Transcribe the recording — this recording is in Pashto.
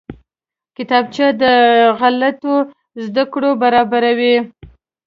کتابچه له غلطیو زده کړه برابروي